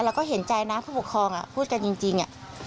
เราก็เห็นใจนะผู้ปกครองพูดกันจริง